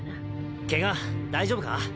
ケガ大丈夫か？